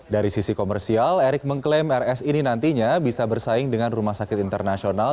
dari sisi komersial erick mengklaim rs ini nantinya bisa bersaing dengan rumah sakit internasional